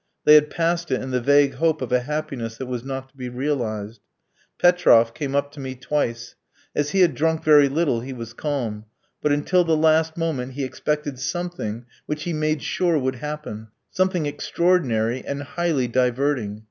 They had passed it in the vague hope of a happiness that was not to be realised. Petroff came up to me twice. As he had drunk very little he was calm; but until the last moment he expected something which he made sure would happen, something extraordinary, and highly diverting.